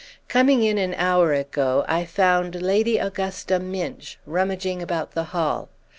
Coming in an hour ago I found Lady Augusta Minch rummaging about the hall.